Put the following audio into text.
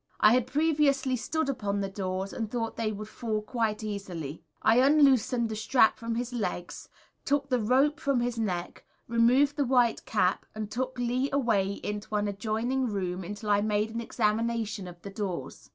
I had previously stood upon the doors and thought they would fall quite easily. I unloosed the strap from his legs, took the rope from his neck, removed the White Cap, and took Lee away into an adjoining room until I made an examination of the doors.